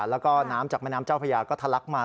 แล้วก็น้ำจากแม่น้ำเจ้าพญาก็ทะลักมา